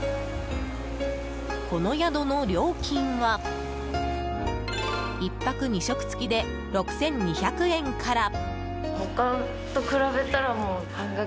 この宿の料金は、１泊２食付きで６２００円から。